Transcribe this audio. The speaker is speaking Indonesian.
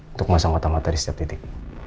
untuk masang mata mata di setiap titik